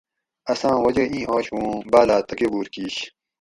اساں وجہ اِیں آشُو اُوں باٞلاٞ تکبُر کِیش